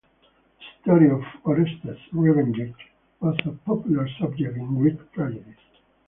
The story of Orestes' revenge was a popular subject in Greek tragedies.